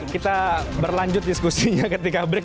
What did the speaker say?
kita berlanjut diskusinya ketika break